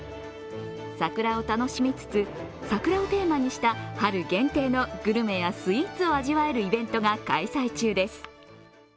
桜を楽しみつつ、桜をテーマにした春限定のグルメやスイーツを味わえるイベントが開催中です。